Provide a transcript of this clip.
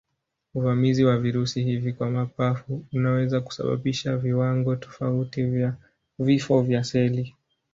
Uvamizi wa virusi hivi kwa mapafu unaweza kusababisha viwango tofauti vya vifo vya seli.